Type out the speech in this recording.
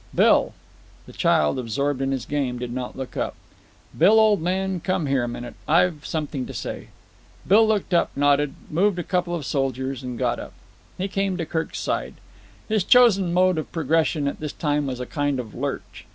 "Bill." The child, absorbed in his game, did not look up. "Bill, old man, come here a minute. I've something to say." Bill looked up, nodded, moved a couple of soldiers, and got up. He came to Kirk's side. His chosen mode of progression at this time was a kind of lurch.